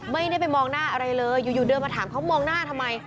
ไม่ได้ไปมองหน้าอะไรเลยอยู่เดินมาถามเขามองหน้าทำไม